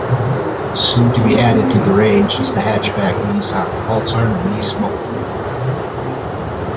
Soon to be added to the range is the hatchback Nissan Pulsar Nismo.